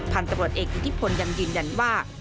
พันธุ์ตำรวจเอกอิทธิพลยังยืนยันว่า